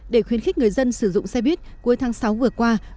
để khuyến khích người dân sử dụng xe buýt cuối tháng sáu vừa qua